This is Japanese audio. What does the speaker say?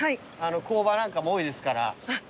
工場なんかも多いですから。